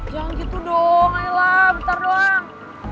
jangan gitu dong ella bentar doang